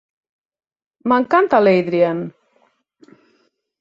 M'encanta l'Adrian!